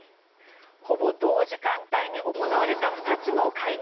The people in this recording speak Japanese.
ほぼ同時間帯に行われた２つの会合。